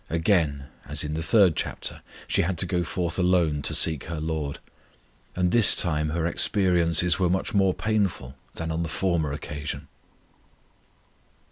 Again (as in the third chapter) she had to go forth alone to seek her LORD; and this time her experiences were much more painful than on the former occasion.